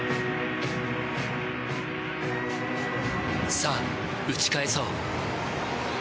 さあ、打ち返そう。